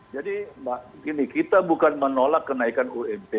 jadi mbak gini kita bukan menolak kenaikan unp